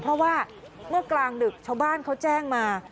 เพราะว่าเมื่อกลางดึกชาวบ้านเขาแจ้งมา